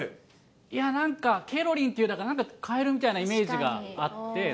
いや、なんか、ケロリンっていう、なんかかえるみたいなイメージがあって。